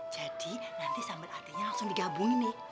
jadi nanti sambal hatinya langsung digabungin nih